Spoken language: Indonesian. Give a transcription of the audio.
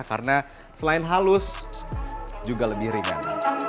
karena selain halus juga lebih ringan